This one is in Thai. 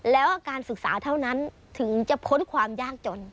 แล้วการศึกษาเท่านั้นถึงจะพ้นความยากจน